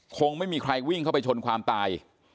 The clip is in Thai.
คงไม่มีใครวิ่งเข้าไปชนความตาย